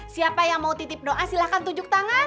siapa yang mau titip doa silahkan tunjuk tangan